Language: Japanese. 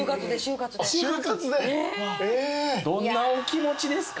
どんなお気持ちですか？